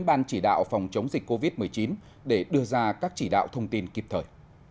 ban chỉ đạo phòng chống dịch covid một mươi chín để đưa ra các chỉ đạo thông tin kịp thời